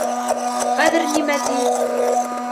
Хәҙер нимә ти.